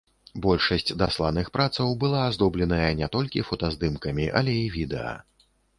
Большасць дасланых працаў была аздобленая не толькі фотаздымкамі, але і відэа.